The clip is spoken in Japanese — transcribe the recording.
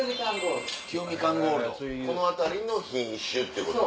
この辺りの品種ってこと？